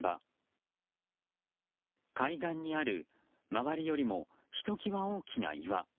海岸にある周りよりもひときわ大きな岩。